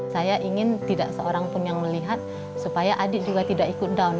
saya ingin tidak seorang pun yang melihat supaya adik juga tidak ikut down